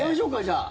じゃあ！